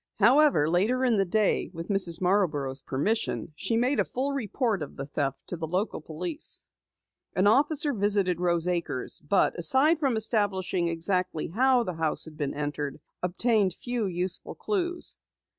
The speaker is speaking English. However, later in the day, with Mrs. Marborough's permission, she made a full report of the theft to local police. An officer visited Rose Acres, but aside from establishing exactly how the house had been entered, obtained few useful clues.